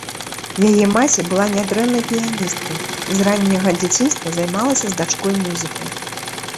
Яе маці была нядрэннай піяністкай і з ранняга дзяцінства займалася з дачкой музыкай.